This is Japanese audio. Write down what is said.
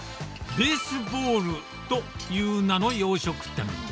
ベースボールという名の洋食店。